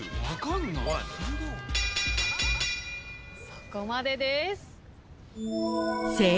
そこまでです。